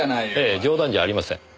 冗談じゃありません。